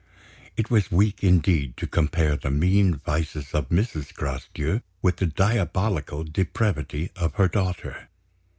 It was weak indeed to compare the mean vices of Mrs. Gracedieu with the diabolical depravity of her daughter.